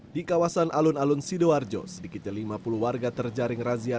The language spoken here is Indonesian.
di kawasan alun alun sidoarjo sedikitnya lima puluh warga terjaring razia